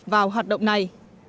vào hoạt động này